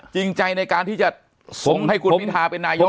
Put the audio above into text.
จริงใจในการที่จะส่งให้คุณพิทาเป็นนายก